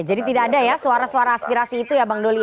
jadi tidak ada ya suara suara aspirasi itu ya bang doli ya